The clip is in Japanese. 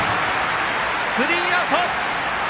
スリーアウト！